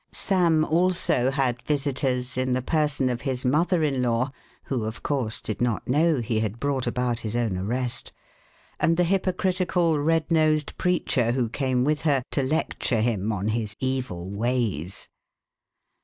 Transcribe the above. Sam also had visitors in the person of his mother in law (who, of course, did not know he had brought about his own arrest) and the hypocritical, red nosed preacher who came with her to lecture him on his evil ways.